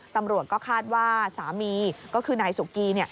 ตำรวจก็คาดว่าสามีก็คือนายสุกี